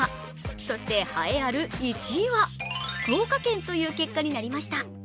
そして、はえある１位は福岡県という結果になりました。